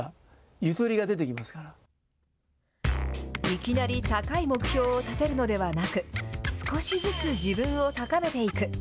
いきなり高い目標を立てるのではなく、少しずつ自分を高めていく。